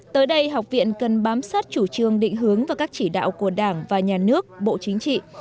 tới đây học viện cần bám sát chủ trương định hướng và các chỉ đạo của đảng và nhà nước bộ chính trị